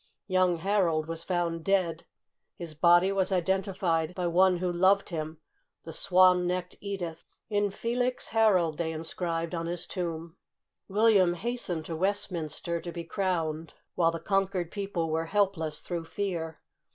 Young Harold was found dead. His body was identified by one who loved him, the swan necked Edith. '' Inf elix Harold'' they inscribed on his tomb. William hastened to Westminster to be crowned while the conquered people were helpless through fear.